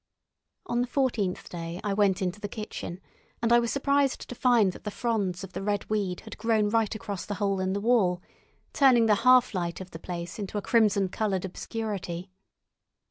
On the fourteenth day I went into the kitchen, and I was surprised to find that the fronds of the red weed had grown right across the hole in the wall, turning the half light of the place into a crimson coloured obscurity.